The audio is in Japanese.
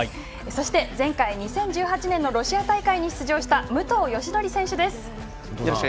そして、前回２０１８年ロシア大会に出場した武藤嘉紀選手です。